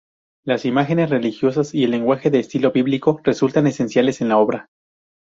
Las imágenes religiosas y el lenguaje de estilo bíblico resultan esenciales en la obra.